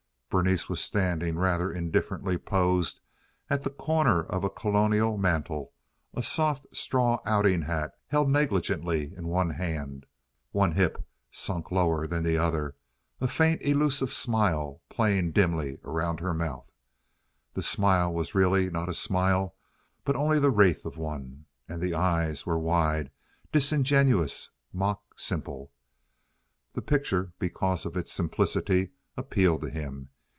Berenice was standing rather indifferently posed at the corner of a colonial mantel, a soft straw outing hat held negligently in one hand, one hip sunk lower than the other, a faint, elusive smile playing dimly around her mouth. The smile was really not a smile, but only the wraith of one, and the eyes were wide, disingenuous, mock simple. The picture because of its simplicity, appealed to him.